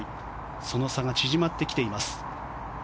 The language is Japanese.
その差が縮まってきています。